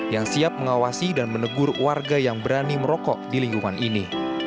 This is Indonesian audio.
yang siap mengawasi dan menegur warga yang berani merokok di lingkungan ini